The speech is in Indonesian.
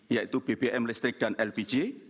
yaitu bbm listrik dan lpg